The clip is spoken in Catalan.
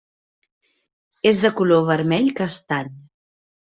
És de color vermell-castany.